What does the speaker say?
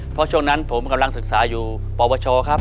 เพราะช่วงนั้นผมกำลังศึกษาอยู่ปปชครับ